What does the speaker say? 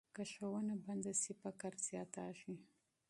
که ښوونه بنده سي، فقر زیاتېږي.